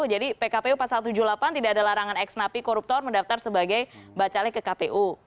jadi pkpu pasal tujuh puluh delapan tidak ada larangan ex napi koruptor mendaftar sebagai bacalik ke kpu